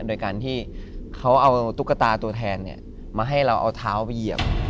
โดยการที่เขาเอาตุ๊กตาตัวแทนมาให้เราเอาเท้าไปเหยียบ